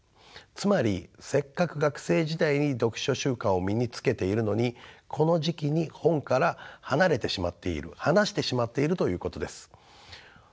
つまりせっかく学生時代に読書習慣を身につけているのにこの時期に本から離れてしまっている離してしまっているということです。